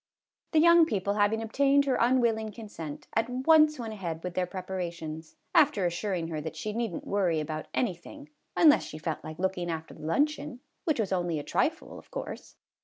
The young people, having obtained her unwilling consent, at once went ahead with their preparations, after assuring her that she need n't worry about any thing, unless she felt like looking after the luncheon, which was only a trifle, of course.